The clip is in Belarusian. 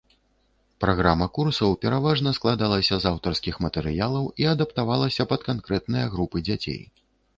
Праграма курсаў пераважна складалася з аўтарскіх матэрыялаў і адаптавалася пад канкрэтныя групы дзяцей.